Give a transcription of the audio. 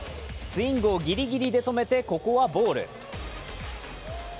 スイングをギリギリで止めてここはボール。